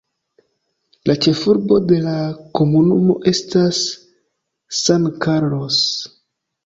La ĉefurbo de la komunumo estas San Carlos.